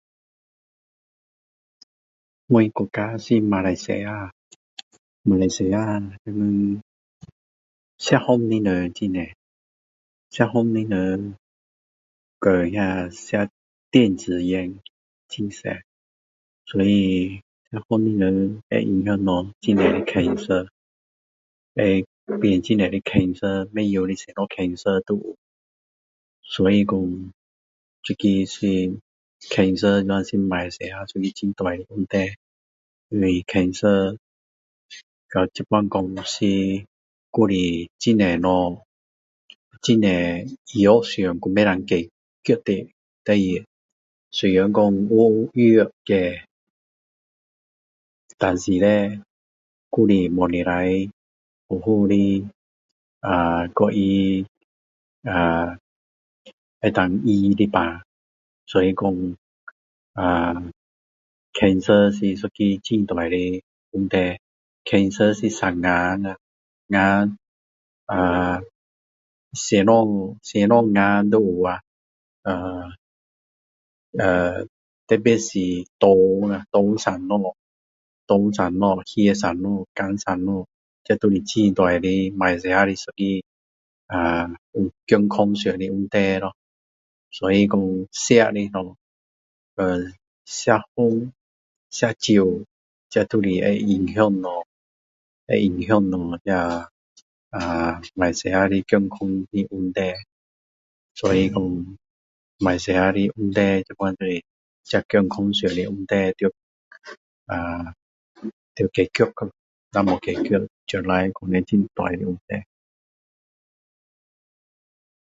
我国家是马来西亚马来西亚的抽烟的人很多抽烟的人跟那个抽抽电子烟很多所以抽烟的人会影响到很多cancer会变很多的cancer 不懂的什么cancer 都有所以说这个是cancer 现在是马来西亚很大一个问题因为cancer 到现在讲是还是很多东西很多医学上还不能解决的事情虽然说有药解但是叻还是不能跟它呃可以医的病所以说呃cancer 是一个很大的问题 cancer 是生癌的呃什么什么癌都有呀呃呃特别是肠肠呀肠生东西肺生东西肝生东西这就是很大的马来西亚的一个啊健康上的问题咯所以说吃的东西还有抽烟喝酒这些都会影响到会影响到那个呃马来西亚健康的问题马来西亚现在就是这健康上的问题要呃要解决如果没有解决将来可能很大的问题